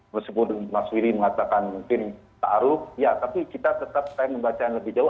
meskipun mas wili mengatakan mungkin tak aruh ya tapi kita tetap saya membaca yang lebih jauh